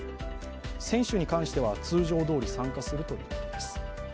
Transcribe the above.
選手に関しては通常どおり参加するということです。